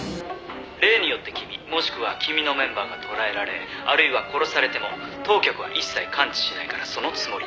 「例によって君もしくは君のメンバーが捕らえられあるいは殺されても当局は一切関知しないからそのつもりで」